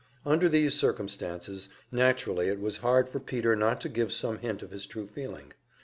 Under these circumstances, naturally it was hard for Peter not to give some hint of his true feeling.